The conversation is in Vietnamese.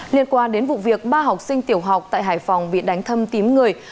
liên quan đến vụ việc ba học sinh tiểu học tại hải phòng bị đánh thâm tím người